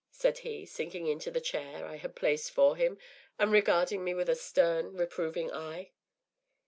said he, sinking into the chair I had placed for him and regarding me with a stern, reproving eye.